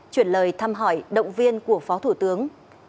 chuyển lời thăm hỏi động viên của phó thủ tướng